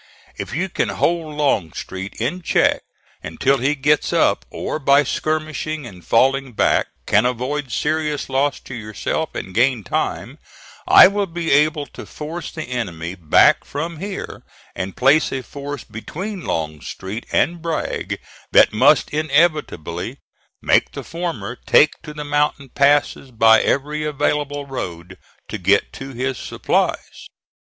If you can hold Longstreet in check until he gets up, or by skirmishing and falling back can avoid serious loss to yourself and gain time, I will be able to force the enemy back from here and place a force between Longstreet and Bragg that must inevitably make the former take to the mountain passes by every available road, to get to his supplies.